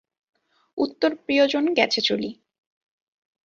উত্তর প্রিয়জন গেছে চলি।